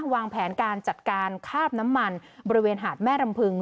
วางแผนการจัดการคาบน้ำมันบริเวณหาดแม่รำพึง